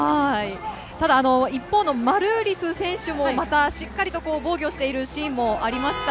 ただ、一方のマルーリス選手も、またしっかりと防御しているシーンもありました。